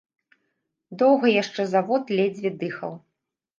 Доўга яшчэ завод ледзьве дыхаў.